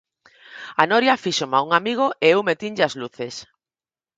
A noria fíxoma un amigo e eu metinlle as luces.